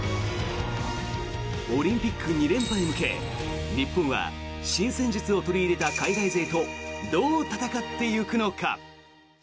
オリンピック２連覇へ向け日本は新戦術を取り入れた海外勢とどう戦っていくのか。